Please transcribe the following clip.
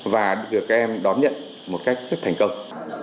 và được các em đón nhận một cách rất thành công